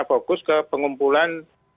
fokus ke pengumpulan